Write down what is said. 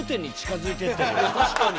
確かに。